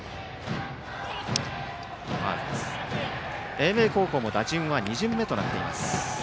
英明高校も打順は２巡目となっています。